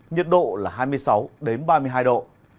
nhiệt độ là hai mươi sáu ba mươi hai độ